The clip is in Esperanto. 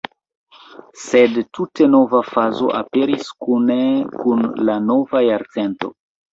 Sed tute nova fazo aperis kune kun la nova jarcento.